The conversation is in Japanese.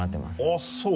あっそう。